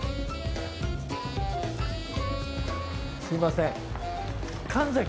すみません。